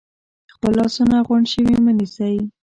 خپل لاسونه غونډ شوي مه نیسئ،